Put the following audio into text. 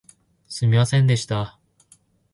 すみませんでした